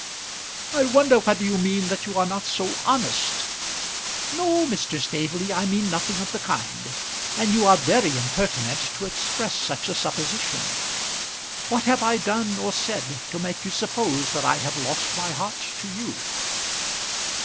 "I wonder whether you mean that you are not so honest?" "No, Mr. Staveley; I mean nothing of the kind; and you are very impertinent to express such a supposition. What have I done or said to make you suppose that I have lost my heart to you?"